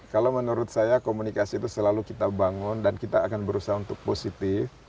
kalau menurut saya komunikasi itu selalu kita bangun dan kita akan berusaha untuk positif